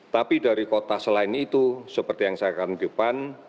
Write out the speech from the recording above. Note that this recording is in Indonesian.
tapi dari kota selain itu seperti yang saya akan titipan